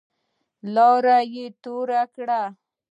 لاړې يې تو کړې.